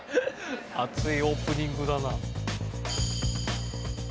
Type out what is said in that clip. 熱いオープニングだな。